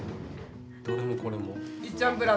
どれもこれも。